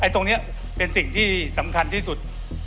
ตรงนี้เป็นสิ่งที่สำคัญที่สุด